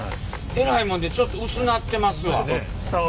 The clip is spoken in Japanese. えらいもんでちょっと薄なってますわ。